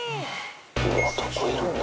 うわどこいるんだ？